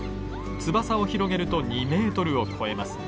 翼を広げると２メートルを超えます。